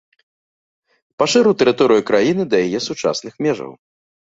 Пашырыў тэрыторыю краіны да яе сучасных межаў.